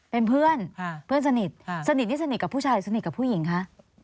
เป็นเพื่อนเพื่อนสนิทสนิทนี่สนิทกับผู้ชายสนิทกับผู้หญิงคะ